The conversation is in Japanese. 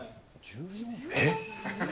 えっ？